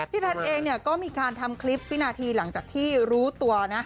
แพทย์เองก็มีการทำคลิปวินาทีหลังจากที่รู้ตัวนะ